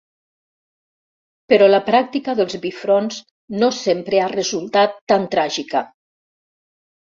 Però la pràctica dels bifronts no sempre ha resultat tan tràgica.